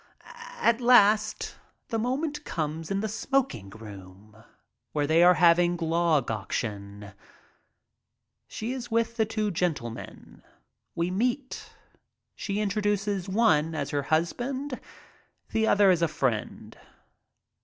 At last the moment comes in the smoking room, where they are having "log auction." She is with two gentlemen. We meet. She introduces one as her husband, the other as a friend'.